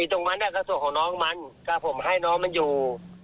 ตรงนั้นก็ส่วนของน้องมันถ้าผมให้น้องมันอยู่